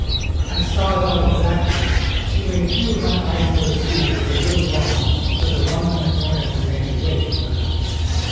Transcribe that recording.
I saw it all exactly. She made two of my eyes go to sleep with a little rhyme, but the one in my forehead remained awake, luckily!